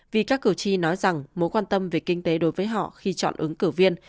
vì các cử tri nói rằng mối quan tâm về kinh tế đối với họ khi chọn ứng cử viên